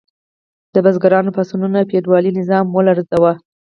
د بزګرانو پاڅونونو فیوډالي نظام ولړزاوه.